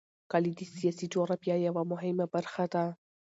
کلي د سیاسي جغرافیه یوه مهمه برخه ده.